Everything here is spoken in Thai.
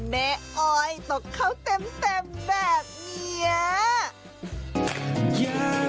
แม่อ้อยตกเข้าเต็มแบบเมีย